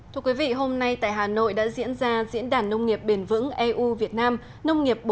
thưa quý vị hôm nay tại hà nội đã diễn ra diễn đàn nông nghiệp bền vững eu việt nam nông nghiệp bốn